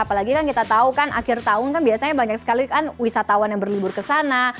apalagi kan kita tahu kan akhir tahun kan biasanya banyak sekali kan wisatawan yang berlibur ke sana